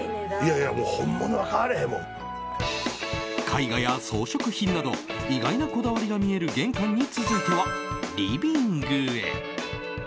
絵画や装飾品など意外なこだわりが見える玄関に続いては、リビングへ。